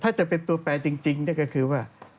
ถ้าจะเป็นตัวแปลจริงก็คือว่า